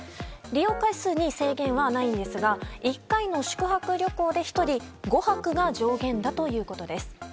利用回数に制限はないんですが１回の宿泊旅行で１人５泊が上限だということです。